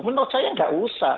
menurut saya nggak usah